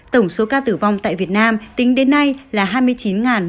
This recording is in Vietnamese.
tổng số ca tử vong tại việt nam tính đến nay là hai mươi chín một trăm linh ba ca